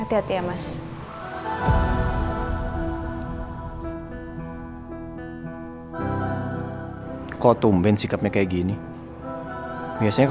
itu k compilation udah